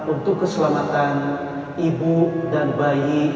untuk keselamatan ibu dan bayi